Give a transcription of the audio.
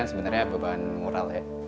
kita sebenarnya beban moral